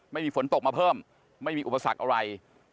ไม่มีฝนตกมาเพิ่มไม่มีอุปสรรคอะไร